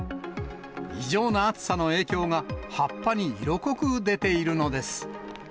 異常な暑さの影響が葉っぱに色濃く出ているのです。